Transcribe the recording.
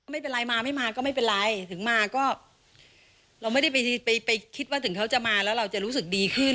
ไม่เป็นไรมาไม่มาก็ไม่เป็นไรถึงมาก็เราไม่ได้ไปคิดว่าถึงเขาจะมาแล้วเราจะรู้สึกดีขึ้น